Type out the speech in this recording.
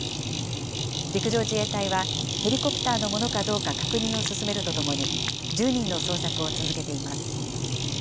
陸上自衛隊は、ヘリコプターのものかどうか確認を進めるとともに、１０人の捜索